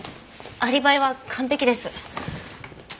アリバイは完璧です。